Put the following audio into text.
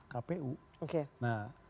kpu oke nah